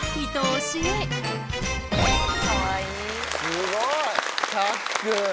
すごい。